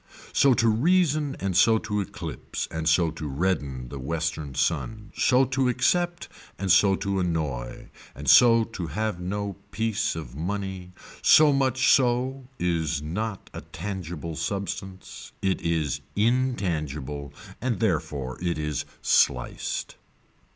So to reason and so to eclipse and so to redden the western sun, so to accept and so to annoy and so to have no piece of money, so much so is not a tangible substance, it is intangible and therefore it is sliced.